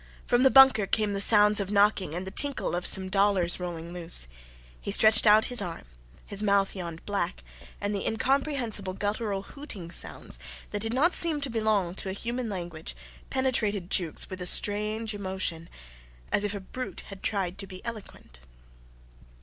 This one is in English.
From the bunker came the sounds of knocking and the tinkle of some dollars rolling loose; he stretched out his arm, his mouth yawned black, and the incomprehensible guttural hooting sounds, that did not seem to belong to a human language, penetrated Jukes with a strange emotion as if a brute had tried to be eloquent.